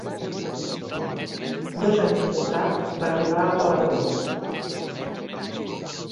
Dos anys més tard, va arribar a Palamós.